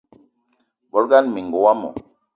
Bolo ngana minenga womo